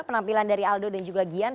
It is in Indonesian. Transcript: penampilan dari aldo dan juga gian